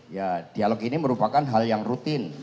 ya dialog ini merupakan hal yang rutin